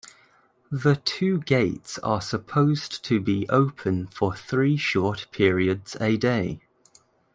The two gates are supposed to be open for three short periods a day.